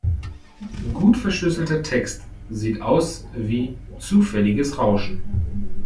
Gut verschlüsselter Text sieht aus wie zufälliges Rauschen.